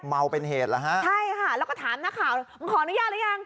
เมาเป็นเหตุเหรอฮะใช่ค่ะแล้วก็ถามนักข่าวมึงขออนุญาตหรือยัง